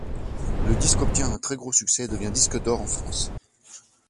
Le disque obtient un très gros succès et devient disque d'or en France.